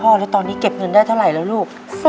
แล้วตอนนี้เก็บเงินได้เท่าไหร่แล้วลูก